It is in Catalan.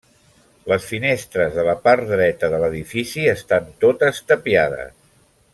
Les finestres de la part dreta de l'edifici estan totes tapiades.